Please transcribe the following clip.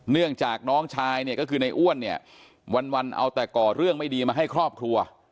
เนื่องจากน้องชายเนี่ยก็คือในอ้วนเนี่ยวันเอาแต่ก่อเรื่องไม่ดีมาให้ครอบครัว